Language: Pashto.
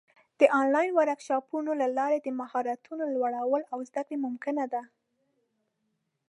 د آنلاین ورکشاپونو له لارې د مهارتونو لوړول او زده کړه ممکنه ده.